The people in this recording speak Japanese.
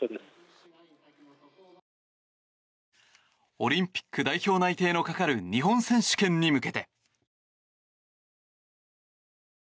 オリンピック代表内定のかかる日本選手権に向けて。